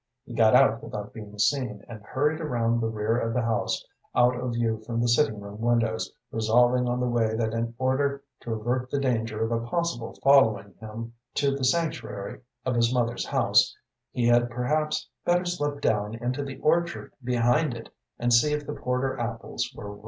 He got out without being seen, and hurried around the rear of the house, out of view from the sitting room windows, resolving on the way that in order to avert the danger of a possible following him to the sanctuary of his mother's house, he had perhaps better slip down into the orchard behind it and see if the porter apples were ripe.